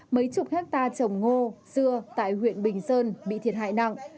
mấy chục hectare trồng ngô dưa tại huyện bình sơn bị thiệt hại nặng